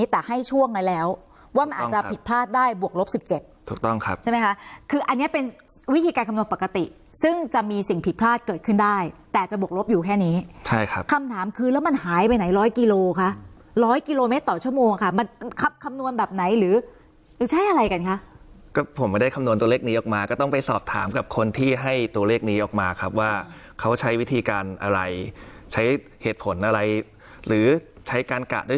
แต่ให้ช่วงนั้นแล้วว่ามันอาจจะผิดพลาดได้บวกลบสิบเจ็ดถูกต้องครับใช่ไหมคะคืออันเนี้ยเป็นวิธีการคำนวณปกติซึ่งจะมีสิ่งผิดพลาดเกิดขึ้นได้แต่จะบวกลบอยู่แค่นี้ใช่ครับคำถามคือแล้วมันหายไปไหนร้อยกิโลคะร้อยกิโลเมตรต่อชั่วโมงค่ะมันคับคำนวณแบบไหนหรือใช้อะไรกันคะก็ผมไม่ได้ค